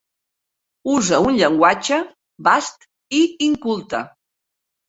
Usa un llenguatge bast i inculte.